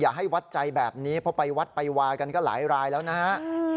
ให้วัดใจแบบนี้เพราะไปวัดไปวากันก็หลายรายแล้วนะฮะ